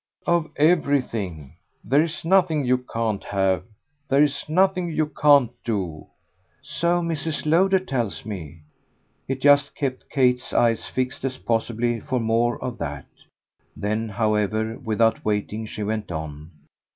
"Of everything. There's nothing you can't have. There's nothing you can't do." "So Mrs. Lowder tells me." It just kept Kate's eyes fixed as possibly for more of that; then, however, without waiting, she went on.